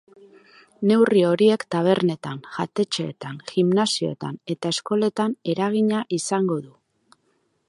Neurri horiek tabernetan, jatetxeetan, gimnasioetan eta eskoletan eragina izango du.